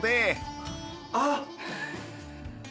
あっ！